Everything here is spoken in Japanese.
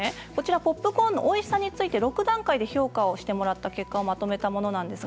ポップコーンのおいしさについて６段階で評価してもらった結果をまとめたものです。